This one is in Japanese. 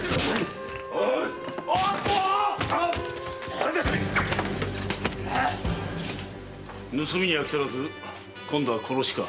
何だてめえ⁉盗みに飽きたらず今度は殺しか？